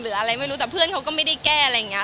อะไรไม่รู้แต่เพื่อนเขาก็ไม่ได้แก้อะไรอย่างนี้